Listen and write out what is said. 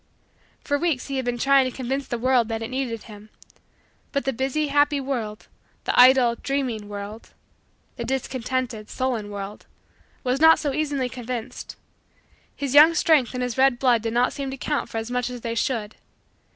For weeks, he had been trying to convince the world that it needed him. But the busy, happy, world the idle, dreaming, world the discontented, sullen, world was not so easily convinced. His young strength and his red blood did not seem to count for as much as they should.